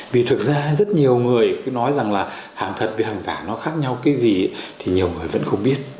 vì thực ra rất nhiều người cứ nói rằng là hàng thật về hàng giả nó khác nhau cái gì thì nhiều người vẫn không biết